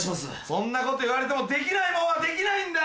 そんなこと言われてもできないもんはできないんだよ！